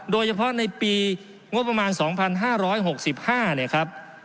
โดยเฉพาะในปีงบประมาณ๒๕๖๕เนี่ยครับ